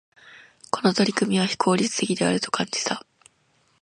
この取り組みは、非効率的であると感じた。